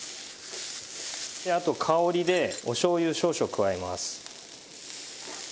あと香りでお醤油少々加えます。